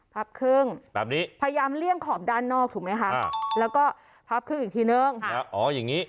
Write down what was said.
ครึ่งแบบนี้พยายามเลี่ยงขอบด้านนอกถูกไหมคะแล้วก็พับครึ่งอีกทีนึงอ๋ออย่างนี้